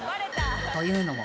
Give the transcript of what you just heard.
［というのも］